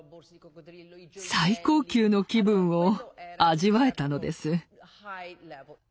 最高級の気分を味わえたのです。